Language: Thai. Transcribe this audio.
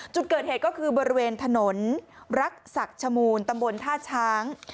จุดเกิดเหตุก็คือบริเวณถนนรักศักดิ์ชมูลตำบลท่าช้าง